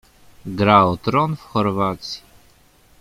Gra o Tron w Chorwacji.